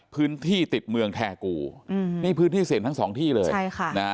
พื้นที่ติดเมืองแทกุพื้นที่เสร็จทั้ง๒ที่เลย